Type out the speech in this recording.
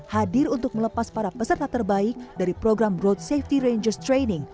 hadir untuk melepas para peserta terbaik dari program road safety rangers training